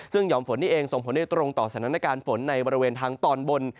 ซึ่งหอมฝนนี่เองส่งผลได้ตรงต่อสถานการณ์ฝนในบริเวณทางตอนบน